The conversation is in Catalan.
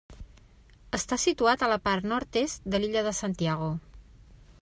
Està situat a la part nord-est de l'illa de Santiago.